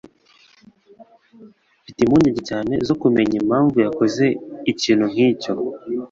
Mfite impungenge cyane zo kumenya impamvu yakoze ikintu nkicyo.